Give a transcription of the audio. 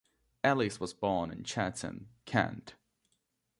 Ellis was born in Chatham, Kent.